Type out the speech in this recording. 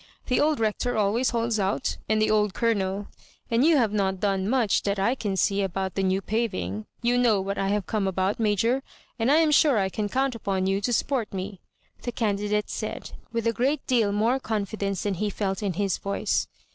The old Rector always holds out, and the old Colonel ,* and you have not done much that I can see about The new paving. You know what I have borne home about, Major ; and I am sure I can count upon you to support me," the can didate said, with a great deal more confidence than he felt in his voice.